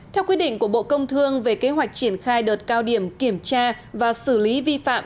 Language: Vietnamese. theo quyết định của bộ công thương về kế hoạch triển khai đợt cao điểm kiểm tra và xử lý vi phạm